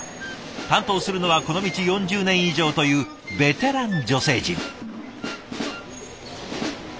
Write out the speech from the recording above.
担当するのはこの道４０年以上というベテラン女性陣。